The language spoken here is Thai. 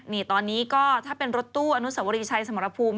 นี่ตอนนี้ก็ถ้าเป็นรถตู้อนุสวรีชัยสมรภูมิ